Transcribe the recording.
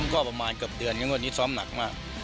ก็ประมาณเกือบเดือนงวดนี้ซ้อมหนักมาก